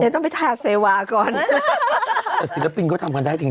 เดี๋ยวต้องไปทาเซวาก่อนฮ่าฮ่าฮอยจะตำกันได้จริง